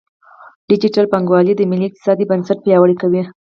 ډیجیټل بانکوالي د ملي اقتصاد بنسټ پیاوړی کوي.